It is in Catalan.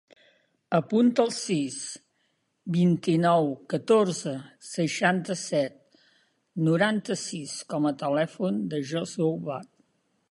Apunta el sis, vint-i-nou, catorze, seixanta-set, noranta-sis com a telèfon del Josuè Bah.